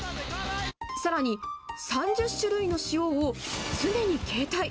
さらに、３０種類の塩を常に携帯。